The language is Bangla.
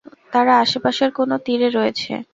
তারা আশপাশের কোনো তীরে রয়েছে।